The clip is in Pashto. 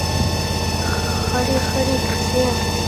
خړې خړۍ کوڅې